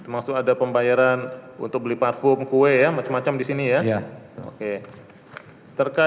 masuk ada pembayaran untuk beli parfum kue ya macem macem di sini ya